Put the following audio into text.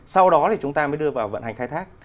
sau đó thì chúng ta mới đưa vào vận hành khai thác